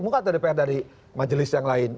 bukan dpr dari majelis yang lain